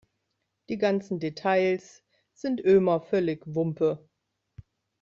Die ganzen Details sind Ömer völlig wumpe.